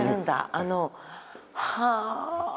あのはあ